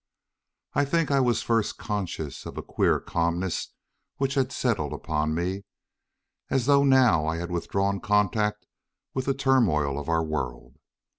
"_ I think I was first conscious of a queer calmness which had settled upon me, as though now I had withdrawn contact with the turmoil of our world!